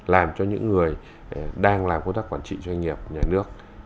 làm cho những người đang làm công tác quản trị doanh nghiệp nhà nước